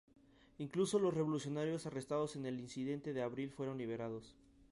Incluso los revolucionarios arrestados en el incidente de abril fueron liberados.